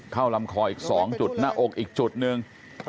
ลำคออีก๒จุดหน้าอกอีกจุดหนึ่ง